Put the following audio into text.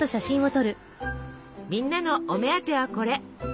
みんなのお目当てはこれ。